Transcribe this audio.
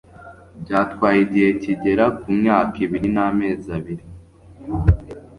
Byatwaye igihe kigera ku imyaka ibiri n'amezi abiri